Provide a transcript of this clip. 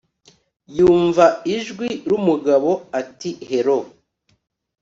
yumva ijwi rumugabo ati hello